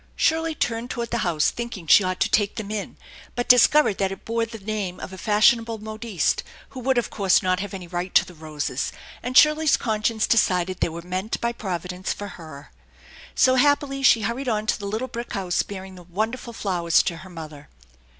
Shirley turned toward the house, thinking she ought to take them in, but discovered that it bore the name of a fashionable modiste, who would, of course, not have any right to the roses, and Shirley's conscience decided they were meant by Providence for her. So, happily, she hurried on to the little brick house, bearing the wonderful flowers to her mother.